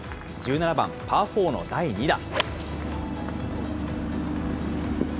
１７番パーフォーの第２打。